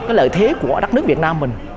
cái lợi thế của đất nước việt nam mình